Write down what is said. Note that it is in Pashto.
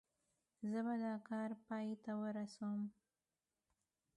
زه به دا کار پای ته ورسوم.